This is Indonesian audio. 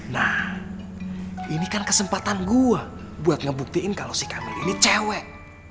nah ini kan kesempatan gue buat ngebuktiin kalau si kamil ini cewek